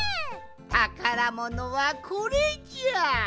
たからものはこれじゃ。